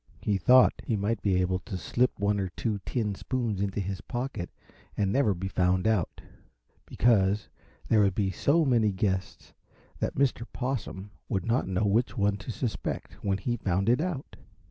He thought he might be able to slip one or two tin spoons into his pocket and never be found out, because there would be so many guests that Mr. Possum would not know which one to suspect when he found it out.